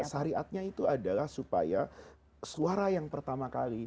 syariatnya itu adalah supaya suara yang pertama kali